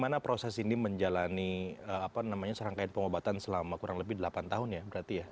karena proses ini menjalani apa namanya serangkaian pengobatan selama kurang lebih delapan tahun ya berarti ya